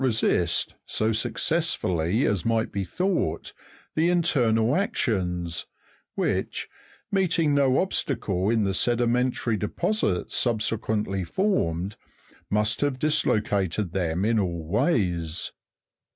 147 resist, so successfully as might be thought, the internal actions, which, meet ing no obstacle in the sedimentary deposits subsequently formed, must have dislocated them in all ways.